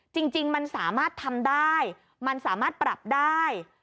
จริงมันสามารถทำได้มันสามารถปรับได้